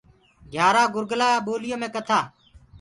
گھيآرآنٚ گُرگُلآ ٻوليو مي ڪٿآ۔